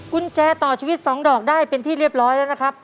กุญแจต่อชีวิต๒ดอกได้เป็นที่เรียบร้อยแล้วนะครับ